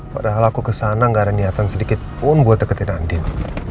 padahal aku kesana gak ada niatan sedikit pun buat deketin andin